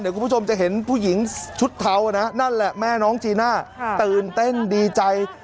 คุณผู้ชมจะเห็นผู้หญิงชุดเทานะนั่นแหละแม่น้องจีน่าตื่นเต้นดีใจ